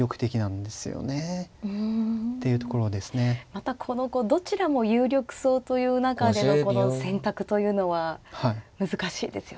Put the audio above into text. またこのどちらも有力そうという中でのこの選択というのは難しいですよね。